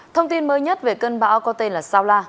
thông tin mới nhất về cơn bão có tên là saula